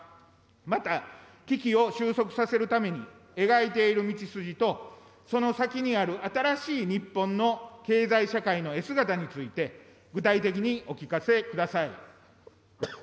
また、危機を収束させるために描いている道筋と、その先にある新しい日本の経済社会の絵姿について、具体的にお聞かせください。